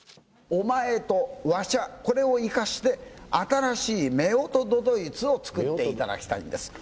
お前とわしゃ、これを生かして、新しい夫婦都々逸を作っていただきたいんです。